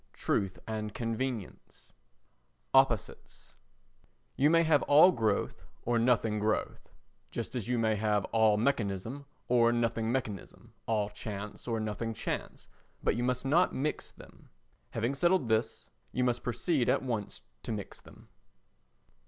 ] XIX Truth and Convenience Opposites YOU may have all growth or nothing growth, just as you may have all mechanism or nothing mechanism, all chance or nothing chance, but you must not mix them. Having settled this, you must proceed at once to mix them.